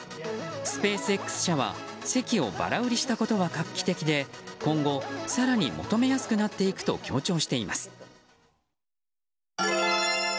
スペースＸ社は席をばら売りしたことは画期的で今後、更に求めやすくなっていくと強調しています。